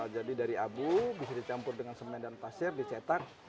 jadi dari abu bisa dicampur dengan semen dan pasir dicetak